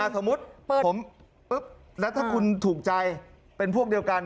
สมมุติผมปุ๊บแล้วถ้าคุณถูกใจเป็นพวกเดียวกัน